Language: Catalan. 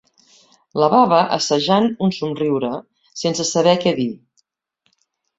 La baba assajant un somriure, sense saber què dir.